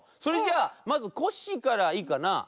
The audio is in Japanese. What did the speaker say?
それじゃあまずコッシーからいいかな？